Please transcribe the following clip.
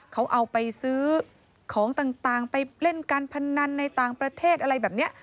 เขาเอาไปซื้อของต่างไปเล่นการพนันในต่างประเทศอะไรแบบนี้